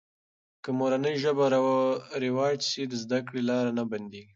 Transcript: که مورنۍ ژبه رواج سي، د زده کړې لاره نه بندېږي.